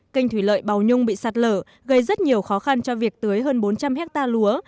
kênh thủy lợi bào nhung bị sạt lở gây rất nhiều khó khăn cho việc tưới hơn bốn trăm linh hectare lúa